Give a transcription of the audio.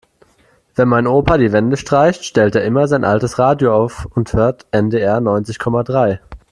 Wenn mein Opa die Wände streicht, stellt er immer sein altes Radio auf und hört NDR neunzig Komma drei.